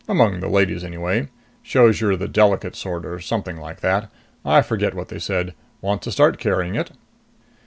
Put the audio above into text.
Among the ladies anyway. Shows you're the delicate sort, or something like that. I forget what they said. Want to start carrying it?"